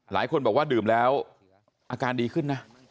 หลายคนบอกว่าดื่มแล้วอาการดีขึ้นนะ